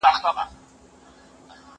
یوې جگي گڼي وني ته سو پورته